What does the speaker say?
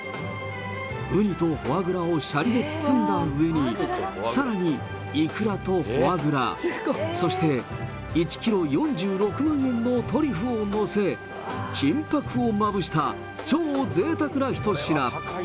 ウニとフォアグラをしゃりで包んだ上に、さらにイクラとフォアグラ、そして１キロ４６万円のトリュフを載せ、金ぱくをまぶした超ぜいたくな一品。